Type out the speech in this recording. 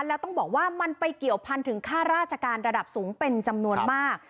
แล้วต้องบอกว่ามันไปเกี่ยวพันถึงค่าราชการระดับสูงเป็นจำนวนมาก